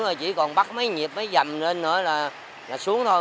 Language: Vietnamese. mà chỉ còn bắt mấy nhịp mới dầm lên nữa là xuống thôi